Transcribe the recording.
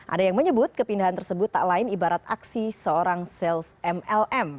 ada yang menyebut kepindahan tersebut tak lain ibarat aksi seorang sales mlm